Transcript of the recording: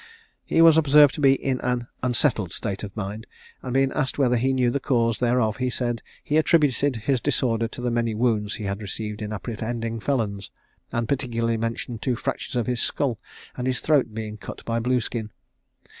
He was observed to be in an unsettled state of mind; and being asked whether he knew the cause thereof, he said he attributed his disorder to the many wounds he had received in apprehending felons; and particularly mentioned two fractures of his skull, and his throat being cut by Blueskin.